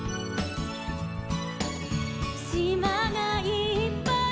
「しまがいっぱい」